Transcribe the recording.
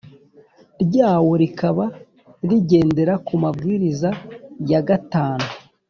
ryawo rikaba rigendera ku mabwiriza ya gatanu